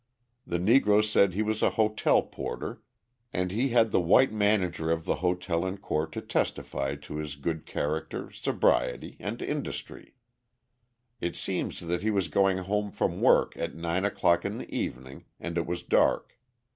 The Negro said he was a hotel porter and he had the white manager of the hotel in court to testify to his good character, sobriety, and industry. It seems that he was going home from work at nine o'clock in the evening, and it was dark.